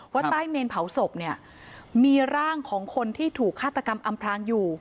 ว่าใต้เมนเผาศพเนี่ยมีร่างของคนที่ถูกฆาตกรรมอำพรางอยู่